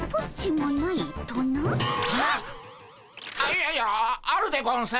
いやいやあるでゴンス。